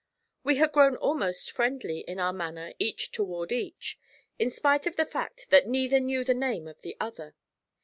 We had grown almost friendly in our manner each toward each, in spite of the fact that neither knew the name of the other.